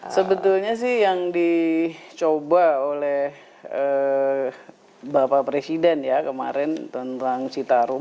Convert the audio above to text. sebetulnya sih yang dicoba oleh bapak presiden ya kemarin tentang citarum